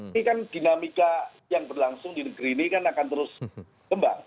ini kan dinamika yang berlangsung di negeri ini kan akan terus berkembang